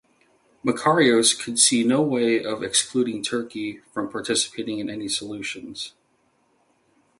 Makarios could see no way of excluding Turkey from participating in any solutions.